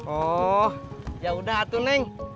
oh yaudah atuh neng